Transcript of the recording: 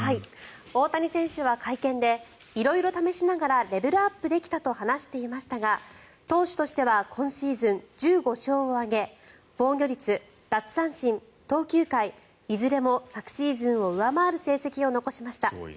大谷選手は会見で色々試しながらレベルアップできたと話していましたが投手としては今シーズン１５勝を挙げ防御率、奪三振、投球回いずれも昨シーズンを上回る成績を残しました。